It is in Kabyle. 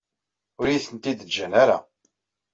Ur iyi-tent-id-ǧǧan ara.